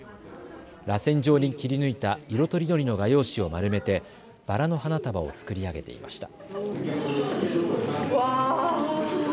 らせん状に切り抜いた色とりどりの画用紙を丸めてバラの花束を作り上げていました。